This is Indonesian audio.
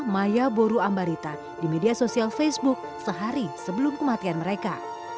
maya boru ambarita di media sosial facebook sehari sebelum kematian mereka